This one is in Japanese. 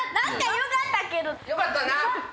よかったな。